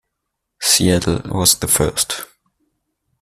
Seattle was the first.